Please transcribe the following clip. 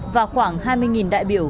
và khoảng hai mươi đại biểu